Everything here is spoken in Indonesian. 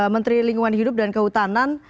menteri lingkungan hidup dan kehutanan